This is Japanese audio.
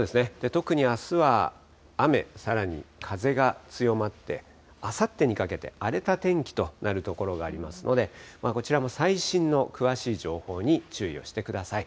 特にあすは雨、さらに風が強まって、あさってにかけて荒れた天気となる所がありますので、こちらも最新の詳しい情報に注意をしてください。